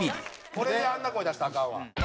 これであんな声出したらアカンわ。